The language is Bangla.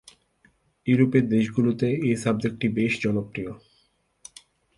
ইউরোপের দেশগুলোতে এ সাবজেক্টটি বেশ জনপ্রিয়।